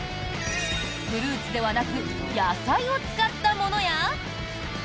フルーツではなく野菜を使ったものや。